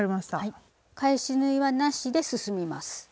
返し縫いはなしで進みます。